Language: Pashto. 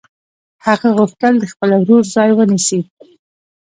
هغه غوښتل د خپل ورور ځای ونیسي